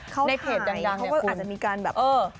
เขาถ่ายเขาก็อาจจะมีการแบบ